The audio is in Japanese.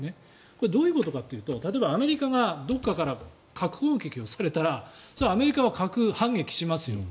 これはどういうことかというと例えば、アメリカがどこかから核攻撃をされたらそれはアメリカは核反撃しますよ